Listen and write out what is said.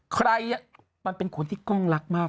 ใครมันเป็นคนที่กล้องรักมาก